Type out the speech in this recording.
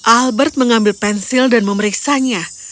albert mengambil pensil dan memeriksanya